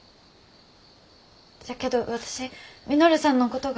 じゃけど私稔さんのことが。